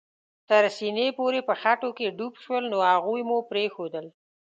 تر سېنې پورې په خټو کې ډوب شول، نو هغوی مو پرېښوول.